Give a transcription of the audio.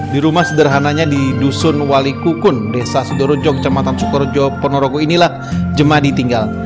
di rumah sederhananya di dusun walikukun desa sudorojo kecamatan sukorojo ponorogo inilah jemaah ditinggal